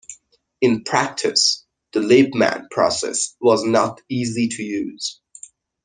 In practice, the Lippmann process was not easy to use.